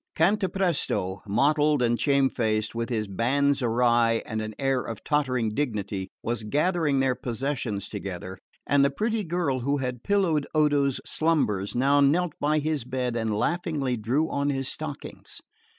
Cantapresto, mottled and shamefaced, with his bands awry and an air of tottering dignity, was gathering their possessions together, and the pretty girl who had pillowed Odo's slumbers now knelt by his bed and laughingly drew on his stockings.